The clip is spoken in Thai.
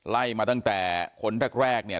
ไล่มาตั้งแต่คนแรกเนี่ย